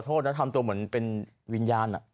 โทษนะทำตัวเหมือนเป็นวิญญาณ